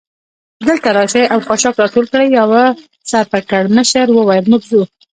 دلته راشئ او خاشاک را ټول کړئ، یوه سر پړکمشر وویل: موږ ځو.